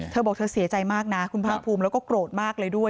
เธอบอกเธอเสียใจมากนะคุณภาคภูมิแล้วก็โกรธมากเลยด้วย